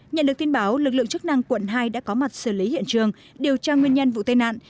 nhận được tin báo lực lượng chức năng quận hai đã có mặt xử lý hiện trường điều tra nguyên nhân vụ tai nạn